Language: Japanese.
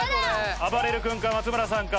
あばれる君か松村さんか。